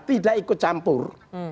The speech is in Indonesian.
tidak ikut campur